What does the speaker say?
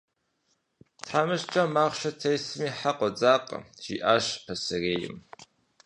«Тхьэмыщкӏэм махъшэ тесми хьэ къодзакъэ», жиӏащ пасэрейм.